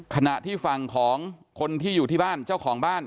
ขณะที่ฝั่งของคนที่อยู่ที่บ้านเจ้าของบ้าน